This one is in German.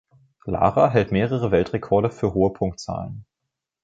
Lara hält mehrere Weltrekorde für hohe Punktzahlen.